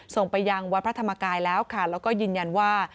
ส่งไปยังวัดพระธรรมกายแล้วค่ะแล้วก็ยืนยันว่า